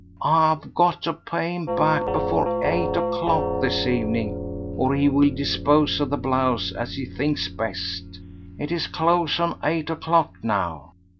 I have got to pay him back before eight o'clock this evening or he will dispose of the blouse as he thinks best. It is close on eight o'clock now.